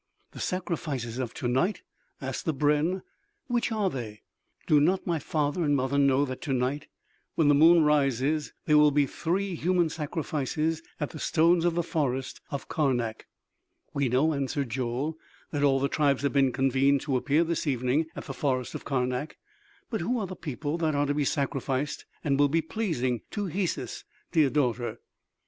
"The sacrifices of to night?" asked the brenn; "which are they?" "Do not my father and mother know that to night, when the moon rises, there will be three human sacrifices at the stones of the forest of Karnak?" "We know," answered Joel, "that all the tribes have been convened to appear this evening at the forest of Karnak. But who are the people that are to be sacrificed and will be pleasing to Hesus, dear daughter?"